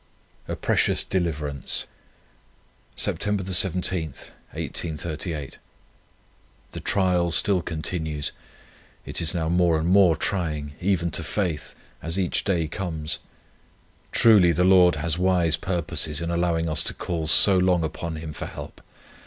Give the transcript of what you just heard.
A PRECIOUS DELIVERANCE. "Sept. 17 . The trial still continues. It is now more and more trying, even to faith, as each day comes. Truly, the Lord has wise purposes in allowing us to call so long upon Him for help.